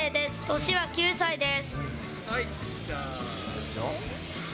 年は９歳です。